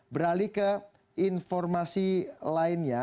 beralih ke informasi lainnya